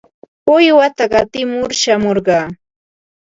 Uywata qatimur shamurqaa.